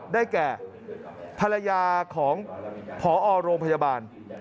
ได้แก่ภรรยาของพอโรงพยาบาล